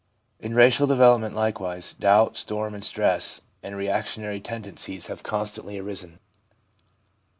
In racial develop ment likewise, doubt, storm and stress and reaction ary tendencies have constantly arisen.